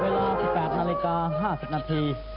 เวลา๑๘นาฬิกา๕๐นาที